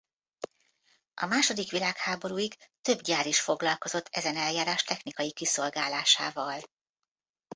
A második világháborúig több gyár is foglalkozott ezen eljárás technikai kiszolgálásával.